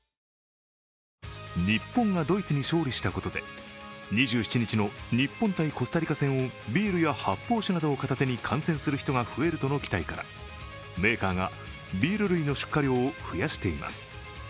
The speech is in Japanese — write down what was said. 日本がドイツに勝利したことで２７日の日本×コスタリカ戦をビールや発泡酒などを片手に観戦するとの期待からメーカーがビール類の出荷を増やしています。